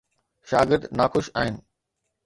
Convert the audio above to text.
شاگرد ناخوش آهن.